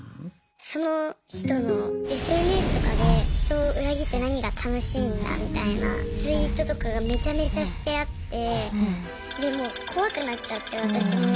その人のＳＮＳとかで人を裏切って何が楽しいんだみたいなツイートとかがめちゃめちゃしてあってでもう怖くなっちゃって私も。